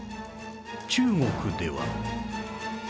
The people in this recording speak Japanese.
中国では